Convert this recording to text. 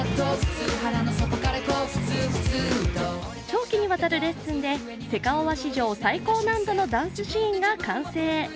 長期にわたるレッスンでセカオワ史上最高難度のダンスシーンが完成。